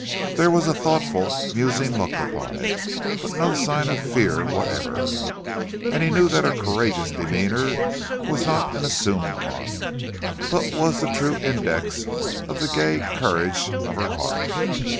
There was a thoughtful, musing look upon it, but no sign of fear whatever, and he knew that her courageous demeanour was not an assumed one, but was the true index of the gay courage of her heart.